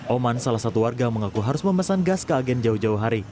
oman salah satu warga mengaku harus memesan gas ke agen jauh jauh hari